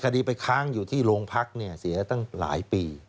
คดีไปค้างอยู่ที่โรงพักเนี่ยเสียตั้งหลายปี